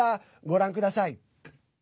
ご覧ください。